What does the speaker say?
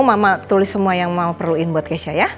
mama tulis semua yang mau perluin buat kesya ya